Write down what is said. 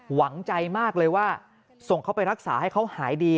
หวังใจมากเลยว่าส่งเขาไปรักษาให้เขาหายดี